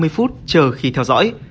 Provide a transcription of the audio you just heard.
phút chờ khi theo dõi